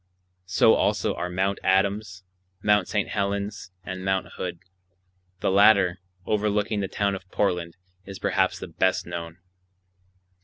So also are Mt. Adams, Mt. St. Helens, and Mt. Hood. The latter, overlooking the town of Portland, is perhaps the best known.